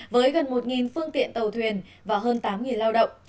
với gần một phương tiện tàu thuyền và hơn tám lao động